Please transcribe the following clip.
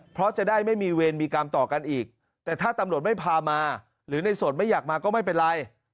เพราะจะได้ไม่มีเวรมีกรรมต่อกันอีกแต่ถ้าตำรวจไม่พามาหรือในสดไม่อยากมาก็ไม่เป็นไร